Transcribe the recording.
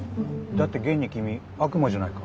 だって現に君悪魔じゃないか。